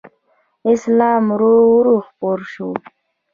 اسلام ورو ورو خپور شو